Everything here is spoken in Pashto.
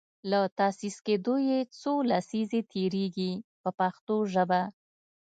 له تاسیس کیدو یې څو لسیزې تیریږي په پښتو ژبه.